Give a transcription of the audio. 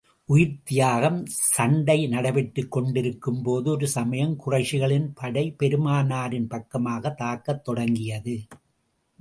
உயிர்த் தியாகம் சண்டை நடைபெற்றுக் கொண்டிருக்கும் போது, ஒரு சமயம் குறைஷிகளின் படை, பெருமானாரின் பக்கமாகத் தாக்கத் தொடங்கியது.